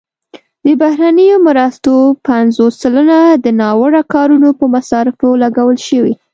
د بهرنیو مرستو پنځوس سلنه د ناوړه کارونې په مصارفو لګول شوي.